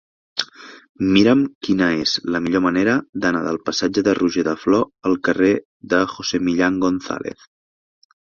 Mira'm quina és la millor manera d'anar del passatge de Roger de Flor al carrer de José Millán González.